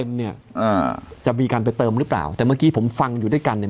เนี่ยอ่าจะมีการไปเติมหรือเปล่าแต่เมื่อกี้ผมฟังอยู่ด้วยกันเนี่ย